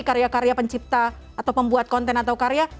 karya karya pencipta atau pembuat konten atau karya